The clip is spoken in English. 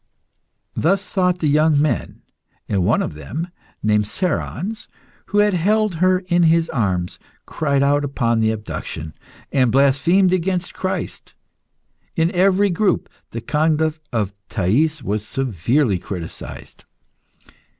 Thus thought the young men, and one of them, named Cerons, who had held her in his arms, cried out upon the abduction, and blasphemed against Christ. In every group the conduct of Thais was severely criticised.